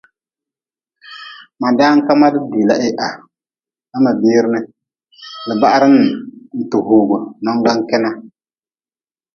Ma dan ka madi diila heha na ma biir ni le bahrn ti hogu nongan kena.